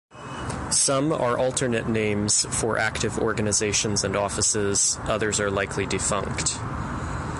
Some are alternate names for active organizations and offices, others are likely defunct.